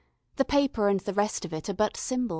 The paper and the rest of it are but symbols.